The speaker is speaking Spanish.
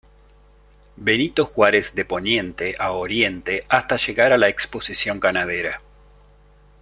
Benito Juárez de Poniente a Oriente hasta llegar a la Exposición Ganadera.